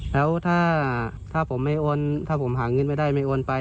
แล้วถ้าผมไม่โอนถ้าผมหาเงินไม่ได้ไม่โอนไป